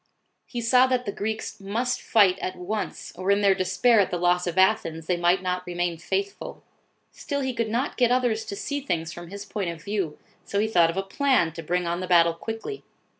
He saw that the Greeks must fight at once, or in their despair at the loss of Athens, they might not remain faithful. Still he could not get others to see things from his point of view, so he thought of a plan to bring on the battle quickly.